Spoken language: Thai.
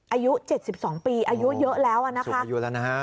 อายุเจ็ดสิบสองปีอายุเยอะแล้วอะนะคะสุดอายุแล้วนะฮะ